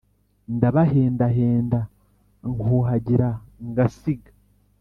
Ndabahendahenda, nkuhagira ngasiga